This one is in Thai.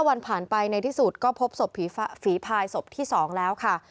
วันผ่านไปในที่สุดก็พบศพฝีพายศพที่๒แล้วค่ะ